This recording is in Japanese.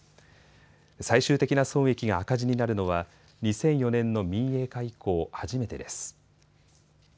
最終的な損益が赤字になるのは２００４年の民営化以降初めてです。